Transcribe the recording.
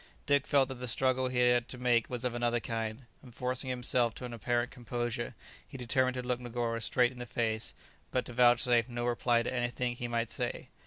Dick felt that the struggle he had to make was of another kind, and forcing himself to an apparent composure, he determined to look Negoro straight in the face, but to vouchsafe no reply to anything he might say.